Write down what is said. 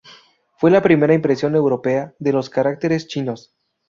Fue la primera impresión europea de los caracteres chinos.